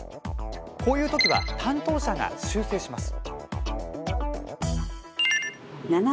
こういう時は担当者が修正します。